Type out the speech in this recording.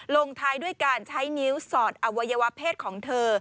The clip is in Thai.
ลงท้ายด้วยการใช้นิ้วสอดอวัยวะเพศของเธอ